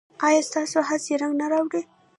ایا ستاسو هڅې رنګ نه راوړي؟